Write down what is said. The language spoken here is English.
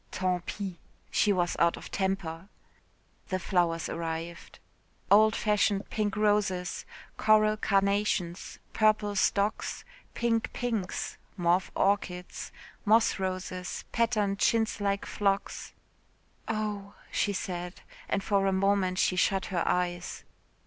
"Tant pis." She was out of temper. The flowers arrived. Old fashioned pink roses, coral carnations, purple stocks, pink pinks, mauve orchids, moss roses, patterned chintz like phlox. "Oh!" she said, and for a moment she shut her eyes.